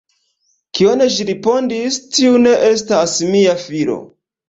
Kion ŝi respondis:"Tiu ne estas mia filo!